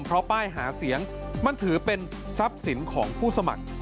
เพราะป้ายหาเสียงมันถือเป็นทรัพย์สินของผู้สมัคร